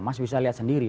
ya mas bisa lihat sendiri